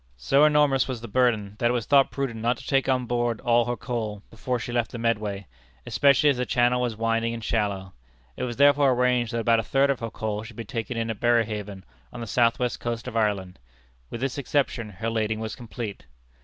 So enormous was the burden, that it was thought prudent not to take on board all her coal before she left the Medway, especially as the channel was winding and shallow. It was therefore arranged that about a third of her coal should be taken in at Berehaven, on the south west coast of Ireland. With this exception, her lading was complete.